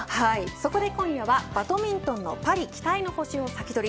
そこで今夜は、バドミントンのパリ期待の星をサキドリ。